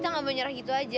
aku nggak mau nyerah gitu aja